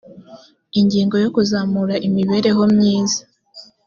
ingingo ya kuzamura imibereho myiza